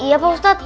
iya pak ustadz